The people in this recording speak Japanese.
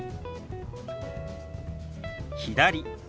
「左」。